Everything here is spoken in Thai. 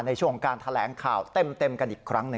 ในช่วงการแถลงข่าวเต็มกันอีกครั้งหนึ่ง